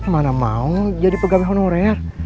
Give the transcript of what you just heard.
mana mau jadi pegawai honorer